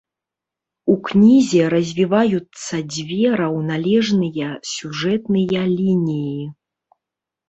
У кнізе развіваюцца дзве раўналежныя сюжэтныя лініі.